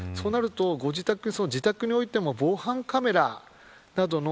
そうなると、自宅においても防犯カメラなどの。